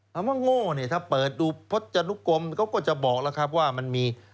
คำว่าโง่เนี่ยถ้าเปิดดูพจนุกรมเขาก็จะบอกแล้วครับว่ามันมี